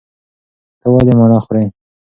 ته ولې مڼه خورې؟